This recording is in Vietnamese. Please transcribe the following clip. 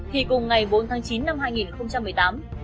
thì cùng ngày bốn tháng chín năm hai nghìn một mươi tám